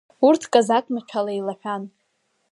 Урҭ казак маҭәала еилаҳәан.